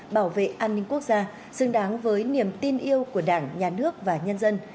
bảo vệ an ninh quốc gia xứng đáng với niềm tin yêu của đảng nhà nước và nhân dân